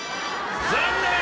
残念！